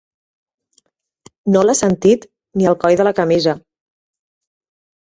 No l'ha sentit ni el coll de la camisa.